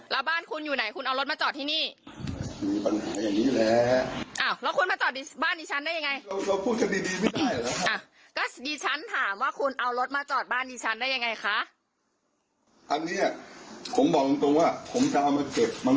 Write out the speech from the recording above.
แล้วใครอนุญาตให้คุณมาจอดในบ้านของดิฉัน